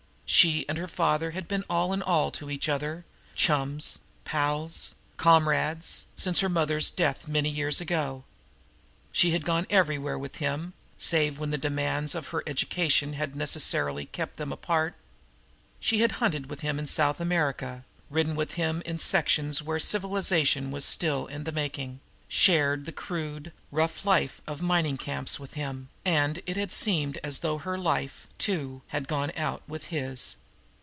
She and her father had been all in all to each other, chums, pals, comrades, since her mother's death many years ago. She had gone everywhere with him save when the demands of her education had necessarily kept them apart; she had hunted with him in South America, ridden with him in sections where civilization was still in the making, shared the crude, rough life of mining camps with him and it had seemed as though her life, too, had gone out with his.